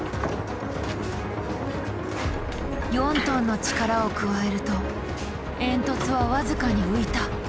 ４ｔの力を加えると煙突は僅かに浮いた。